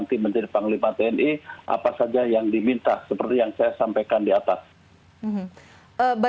jenderal andika perkasa